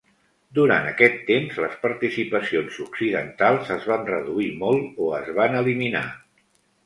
Durant aquest temps, les participacions occidentals es van reduir molt o es van eliminar.